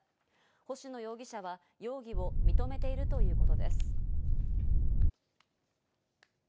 星野容疑者は容疑を認めているということです。